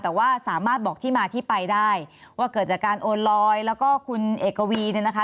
แต่ว่าสามารถบอกที่มาที่ไปได้ว่าเกิดจากการโอนลอยแล้วก็คุณเอกวีเนี่ยนะคะ